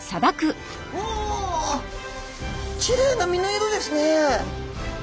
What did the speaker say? おおきれいな身の色ですね。